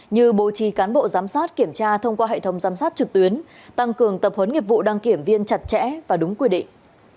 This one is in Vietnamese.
như bố trì cán bộ giám sát kiểm tra thông qua hệ thống giám sát trực tuyến tăng cường tập huấn nghiệp vụ đăng kiểm viên chặt chẽ và đúng quy định